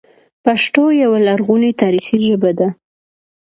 پښتو یوه لرغونې تاریخي ژبه ده